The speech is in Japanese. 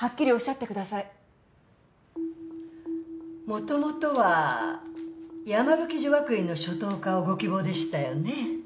もともとは山吹女学院の初等科をご希望でしたよね？